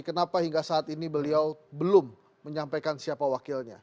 kenapa hingga saat ini beliau belum menyampaikan siapa wakilnya